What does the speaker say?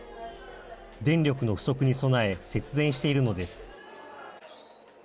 電力の不足に備え節電しているのです。